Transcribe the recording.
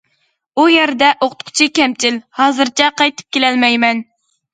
ئۇ يەردە ئوقۇتقۇچى كەمچىل، ھازىرچە قايتىپ كېلەلمەيمەن.